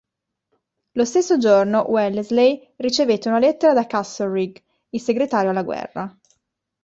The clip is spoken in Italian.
Lo stesso giorno Wellesley ricevette una lettera da Castlereagh, il Segretario alla Guerra.